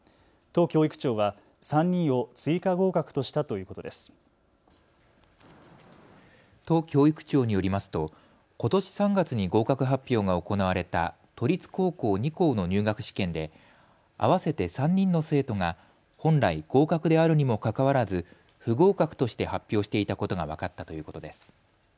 都教育庁によりますとことし３月に合格発表が行われた都立高校２校の入学試験で、合わせて３人の生徒が本来、合格であるにもかかわらず不合格として発表していたことが分かったということです。